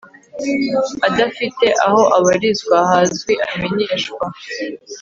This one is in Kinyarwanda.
adafite aho abarizwa hazwi amenyeshwa